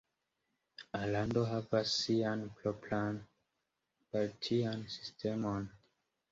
Alando havas sian propran partian sistemon.